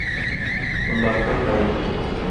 Монда кем гаепле?